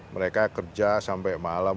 mereka kerja sampai malam